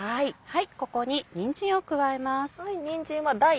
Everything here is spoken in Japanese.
ここににんじんを加えます。